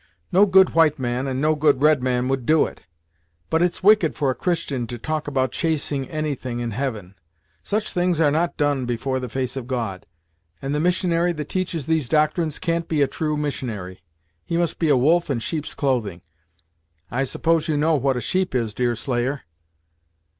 No good white man, and no good red man would do it. But it's wicked for a Christian to talk about chasing anything in heaven. Such things are not done before the face of God, and the missionary that teaches these doctrines can't be a true missionary. He must be a wolf in sheep's clothing. I suppose you know what a sheep is, Deerslayer."